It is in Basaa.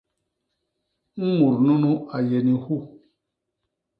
Mut nunu a yé ni hu.